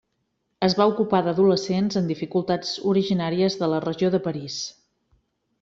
Es va ocupar d'adolescents en dificultats originàries de la regió de París.